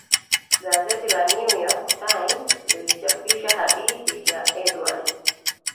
gazeti la new york times lilichapisha hadithi ya edward